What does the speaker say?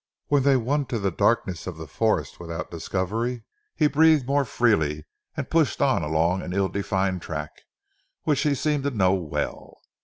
When they won to the darkness of the forest without discovery, he breathed more freely, and pushed on along an ill defined track, which he seemed to know well.